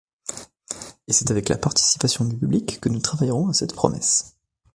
Et c'est avec la participation du public que nous travaillerons à cette promesse.